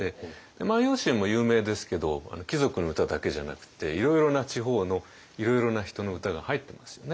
「万葉集」も有名ですけど貴族の歌だけじゃなくていろいろな地方のいろいろな人の歌が入ってますよね。